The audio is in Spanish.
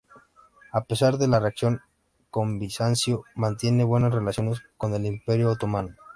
A pesar de la relación con Bizancio, mantiene buenas relaciones con el Imperio otomano.